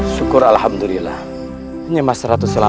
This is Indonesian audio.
saya harus padam jari boleh sesedih